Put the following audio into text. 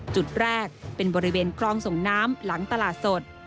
จุดแรกเป็นบริเวณคลองส่งน้ำหลังตลาดสด